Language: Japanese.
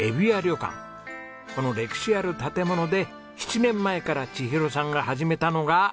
この歴史ある建物で７年前から千尋さんが始めたのが。